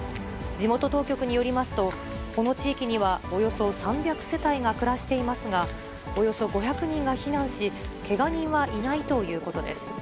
地元当局によりますと、この地域にはおよそ３００世帯が暮らしていますが、およそ５００人が避難し、けが人はいないということです。